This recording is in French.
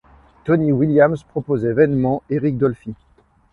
Tony Williams proposait vainement Eric Dolphy.